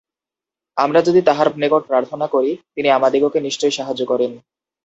আমরা যদি তাঁহার নিকট প্রার্থনা করি, তিনি আমাদিগকে নিশ্চয়ই সাহায্য করেন।